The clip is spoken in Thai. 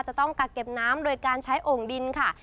จะต้องกักเก็บน้ำโดยการใช้โอ่งดินค่ะ